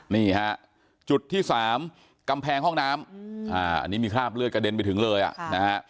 นี่ฮะจุดที่๓กำแพงห้องน้ำอันนี้มีคราบเลือดกระเด็นไปถึงเลยอ่ะนะฮะ